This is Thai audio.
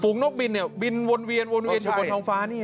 ฝูงนกบินเนี่ยบินวนเวียนบนท้องฟ้านี่